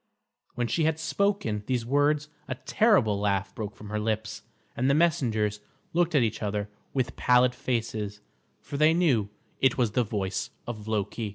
When she had spoken these words a terrible laugh broke from her lips, and the messengers looked at each other with pallid faces, for they knew it was the voice of Loki.